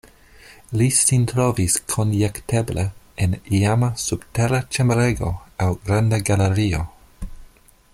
Li sin trovis konjekteble en iama subtera ĉambrego aŭ granda galerio.